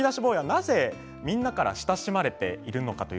なぜみんなから親しまれているのか